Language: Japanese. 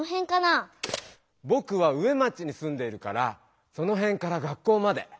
ぼくは上町にすんでいるからそのへんから学校まで。